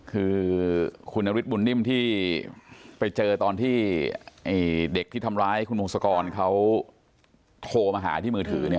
คือคุณนฤทธบุญนิ่มที่ไปเจอตอนที่เด็กที่ทำร้ายคุณพงศกรเขาโทรมาหาที่มือถือ